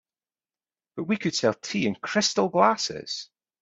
But we could sell tea in crystal glasses.